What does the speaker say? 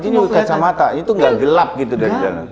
jadi ini kacamata ini tuh gak gelap gitu dari dalam